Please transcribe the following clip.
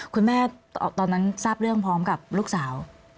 คุณแม่ตอนนั้นทราบเรื่องพร้อมกับลูกสาว